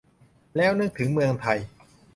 แล้วนึกถึงเมืองไทย